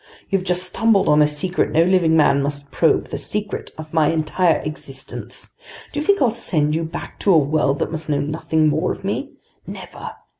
You've just stumbled on a secret no living man must probe, the secret of my entire existence! Do you think I'll send you back to a world that must know nothing more of me? Never!